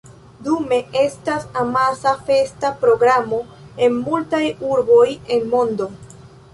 Dume estas amasa festa programo en multaj urboj en mondo.